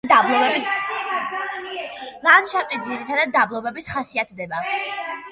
ლანდშაფტი ძირითადად დაბლობებით ხასიათდება.